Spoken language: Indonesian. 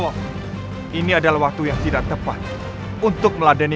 tidak jangan elder